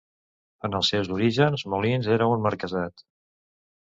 En els seus orígens, Molins era un marquesat.